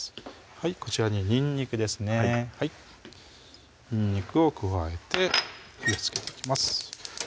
こちらににんにくですねにんにくを加えて火をつけていきます